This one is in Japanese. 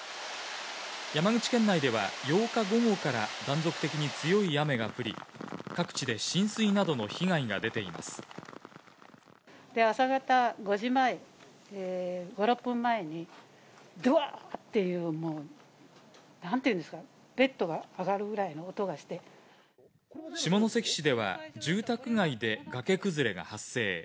山口県内では、８日午後から断続的に強い雨が降り、各地で浸水などの被害が出て朝方５時前、５、６分前に、どわっていう、もうなんていうんですか、下関市では、住宅街で崖崩れが発生。